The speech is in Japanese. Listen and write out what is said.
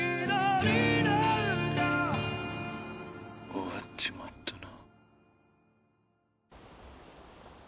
終わっちまったな。